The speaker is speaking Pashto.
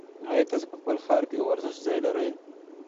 ایا تاسي په خپل ښار کې د ورزش ځای لرئ؟